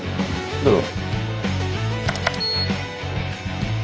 どうぞ。